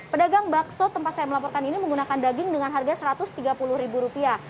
pedagang bakso tempat saya melaporkan ini menggunakan daging dengan harga satu ratus tiga puluh ribu rupiah